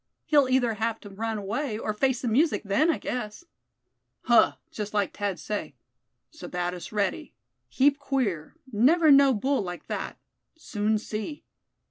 He'll either have to run away, or face the music then, I guess." "Huh! just like Thad say; Sebattis ready; heap queer; never know bull like that. Soon see!"